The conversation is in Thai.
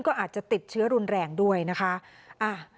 ก็อาจจะติดเชื้อรุนแรงด้วยนะคะ